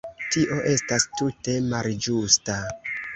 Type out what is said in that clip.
Tio estas tute malĝusta.